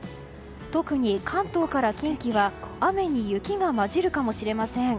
特に関東から近畿は雨に雪が交じるかもしれません。